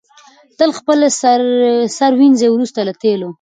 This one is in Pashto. تل خپل سر ووینځئ وروسته له تېلو.